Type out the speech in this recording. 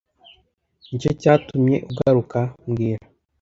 Nicyo cyatumye ugaruka mbwira